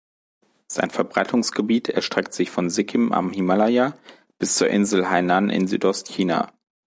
Sein Verbreitungsgebiet erstreckt sich von Sikkim am Himalaya bis zur Insel Hainan in Südost-China.